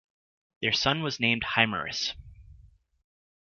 Their son was named Himerus.